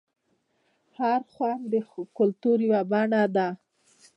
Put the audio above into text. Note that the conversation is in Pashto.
هر خوند د کلتور یوه بڼه ده.